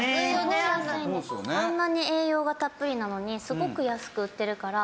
あんなに栄養がたっぷりなのにすごく安く売ってるから。